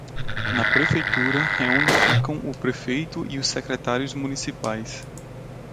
Na prefeitura é onde ficam o prefeito e os secretários municipais